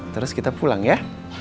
terus kita pulang ya